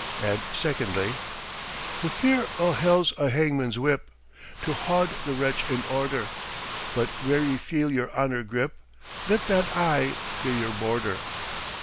And secondly: "The fear o' hell's a hangman's whip To haud the wretch in order; But where ye feel your honor grip, Let that aye be your border."